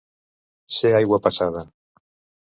Ser aigua passada.